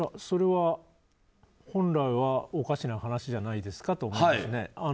それは本来はおかしな話じゃないですかと思っています。